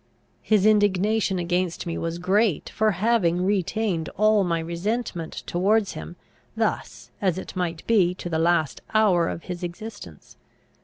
His indignation against me was great for having retained all my resentment towards him, thus, as it might be, to the last hour of his existence.